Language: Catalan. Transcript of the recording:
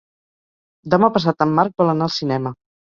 Demà passat en Marc vol anar al cinema.